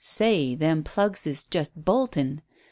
"Say, them plugs is just boltin'.